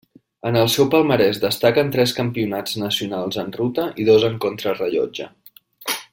En el seu palmarès destaquen tres Campionats nacionals en ruta i dos en contrarellotge.